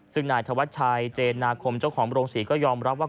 ซึ่งนายธวัชชัยเจนาคมเจ้าของโรงศรีก็ยอมรับว่า